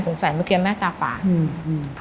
สงสัยเมื่อกี้แม่ตาปากอืมอืม